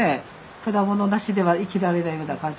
果物なしでは生きられないぐらいの感じ。